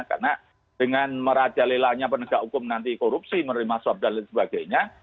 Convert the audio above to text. karena dengan merajalelahnya penegak hukum nanti korupsi menerima suap dan lain sebagainya